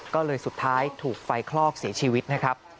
ก็เลยสุดท้ายถูกไฟคลอกเสียชีวิตนะครับ